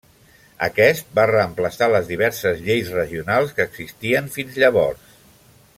Aquest va reemplaçar les diverses lleis regionals que existien fins llavors.